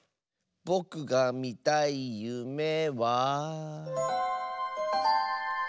ぼくがみたいゆめは。